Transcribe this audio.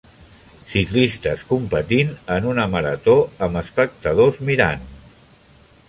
Ciclistes competint en una marató amb espectadors mirant.